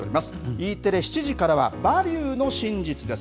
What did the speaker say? Ｅテレ７時からは、バリューの真実です。